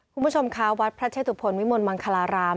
คุณผู้ชมคะวัดพระเชตุพลวิมลมังคลาราม